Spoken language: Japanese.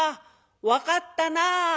分かったな」。